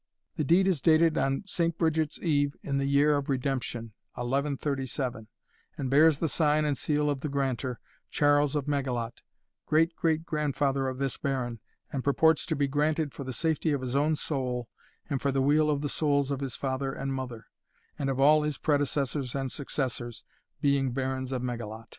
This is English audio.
The deed is dated on Saint Bridget's Even, in the year of Redemption, 1137, and bears the sign and seal of the granter, Charles of Meigallot, great great grandfather of this baron, and purports to be granted for the safety of his own soul, and for the weal of the souls of his father and mother, and of all his predecessors and successors, being Barons of Meigallot."